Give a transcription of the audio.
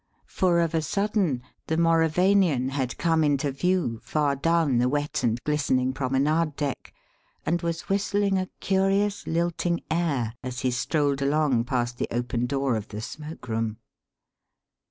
For of a sudden the Mauravanian had come into view far down the wet and glistening promenade deck and was whistling a curious, lilting air as he strolled along past the open door of the smoke room.